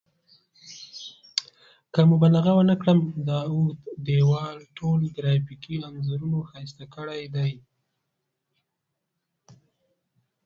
که مبالغه ونه کړم دا اوږد دیوال ټول ګرافیکي انځورونو ښایسته کړی دی.